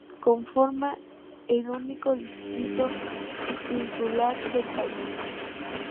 Conforma el único distrito insular del país.